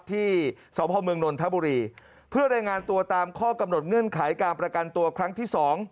ที่สพเมืองนนทบุรีเพื่อรายงานตัวตามข้อกำหนดเงื่อนไขการประกันตัวครั้งที่สอง